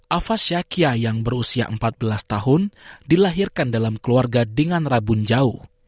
afas syakya yang berusia empat belas tahun dilahirkan dalam keluarga dengan rabunjau